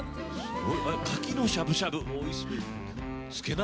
カキのしゃぶしゃぶおいしそう。